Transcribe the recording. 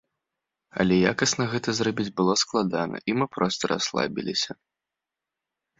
Але якасна гэта зрабіць было складана, і мы проста расслабіліся.